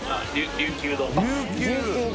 琉球丼。